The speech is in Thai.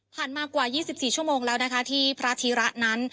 มากว่า๒๔ชั่วโมงแล้วนะคะที่พระธีระนั้น